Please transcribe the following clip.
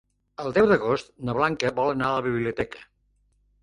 El deu d'agost na Blanca vol anar a la biblioteca.